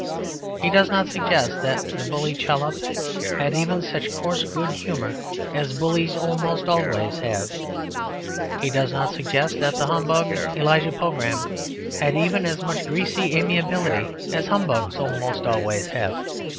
He does not suggest that the bully Chollop had even such coarse good humour as bullies almost always have. He does not suggest that the humbug Elijah Pogram had even as much greasy amiability as humbugs almost invariably have.